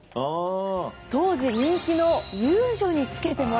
当時人気の遊女につけてもらった。